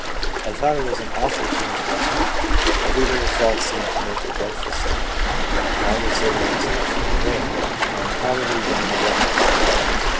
"I thought I was an awful trans gressor ; every little fault seemed to make a dreadful sin ; and I would say to myself, ' There ! I am probably one of the reprobate.'"